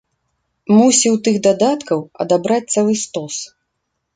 Мусіў тых дадаткаў адабраць цэлы стос.